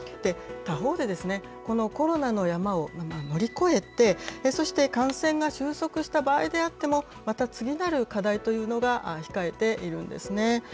他方で、このコロナの山を乗り越えて、そして感染が収束した場合であっても、また次なる課題というのが控えているんですね。